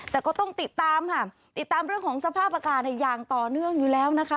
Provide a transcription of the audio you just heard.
แต่ก็ต้องติดตามค่ะติดตามเรื่องของสภาพอากาศอย่างต่อเนื่องอยู่แล้วนะคะ